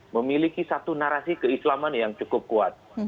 memiliki satu narasi keislaman yang cukup kuat